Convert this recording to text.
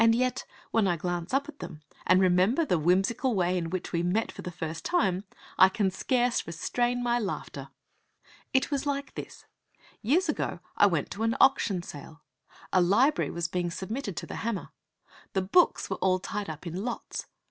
Yet when I glance up at them, and remember the whimsical way in which we met for the first time, I can scarce restrain my laughter. III It was like this. Years ago I went to an auction sale. A library was being submitted to the hammer. The books were all tied up in lots.